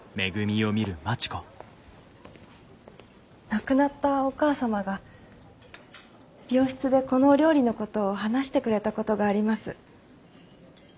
亡くなったお母様が病室でこのお料理のことを話してくれたことがあります。